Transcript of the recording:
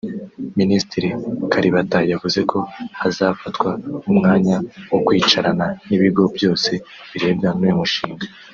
Minisitiri Kalibata yavuze ko hazafatwa umwanya wo kwicarana n’ibigo byose birebwa n’uyu mushinga